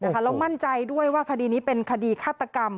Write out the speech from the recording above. แล้วมั่นใจด้วยว่าคดีนี้เป็นคดีฆาตกรรม